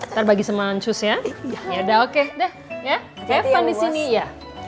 terbagi semangat susnya ya udah oke deh ya kefansi iya